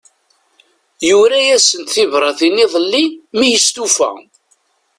Yura-asent tibratin iḍelli mi yestufa.